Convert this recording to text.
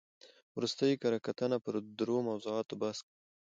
ورستۍ کره کتنه پر درو موضوعاتو بحث کوي.